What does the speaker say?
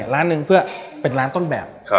ร้านนึงเป็นร้านต้นแบบ